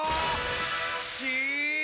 し！